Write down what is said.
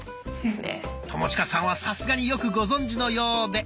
友近さんはさすがによくご存じのようで。